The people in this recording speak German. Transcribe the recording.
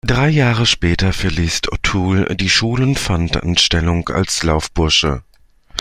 Drei Jahre später verließ O’Toole die Schule und fand Anstellung als Laufbursche.